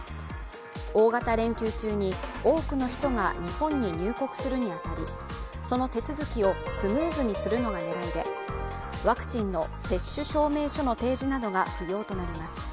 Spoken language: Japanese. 大型連休中に多くの人が日本に入国するに当たり、その手続きをスムーズにするのが狙いで、ワクチンの接種証明書の提示などが不要となります。